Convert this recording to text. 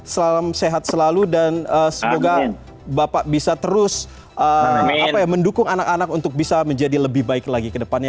salam sehat selalu dan semoga bapak bisa terus mendukung anak anak untuk bisa menjadi lebih baik lagi ke depannya